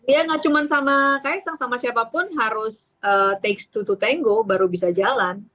ya gak cuma sama kaisang sama siapapun harus takes to tango baru bisa jalan